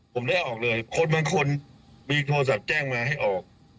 ผมได้ออกเลยคนบางคนมีโทรศัพท์แจ้งมาให้ออก